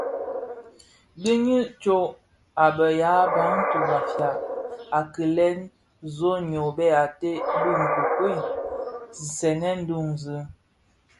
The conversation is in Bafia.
Diňi tsôg a be yaa Bantu (Bafia) a kilè zonoy bèè ated bi nkokuel nsènèn duňzi,